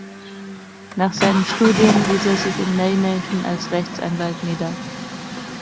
Nach seinem Studium ließ er sich in Nijmegen als Rechtsanwalt nieder.